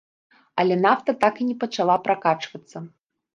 Але нафта так і не пачала пракачвацца.